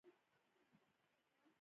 مالګه ډیره کاروئ؟